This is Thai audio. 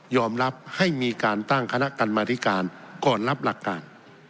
รับให้มีการตั้งคณะกรรมธิการก่อนรับหลักการ